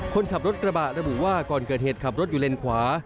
คนขับรถกระบะระบุว่าก่อนเกิดเหตุขับรถอยู่เลนขวา